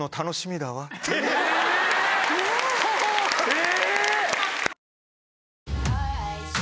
え‼